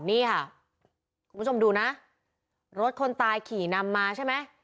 นี่ค่ะคุณผู้ชมดูนะรถคนตายขี่นำมาใช่ไหม